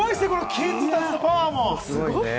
キッズたちのパワーも。